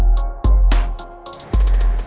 untuk memperhatikan kebenaran pak alex